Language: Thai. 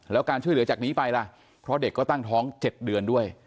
แล้วการช่วยเหลือจากนี้ไปล่ะเพราะเด็กก็ตั้งท้อง๗เดือนด้วย